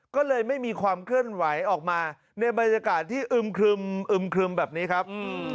ก็เลยไม่มีความเคลื่อนไหวออกมาในบรรยากาศที่อึมครึมครึมแบบนี้ครับ